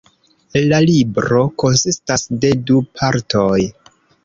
La libro konsistas de du partoj.